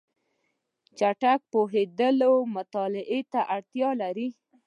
چټک پوهېدل مطالعه ته اړتیا لري.